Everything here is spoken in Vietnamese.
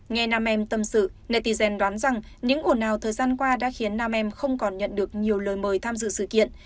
nghe nam em tâm sự netigen đoán rằng những ồn ào thời gian qua đã khiến nam em không còn nhận được nhiều lời mời tham dự sự kiện